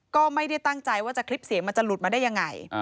ก็ไม่ได้ตั้งใจว่าจะคลิปเสียงมันจะหลุดมาได้ยังไง